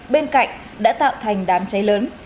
bên cạnh đã tạo thành đám cháy lớn